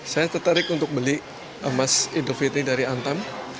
saya tertarik untuk beli emas idofitri dari antam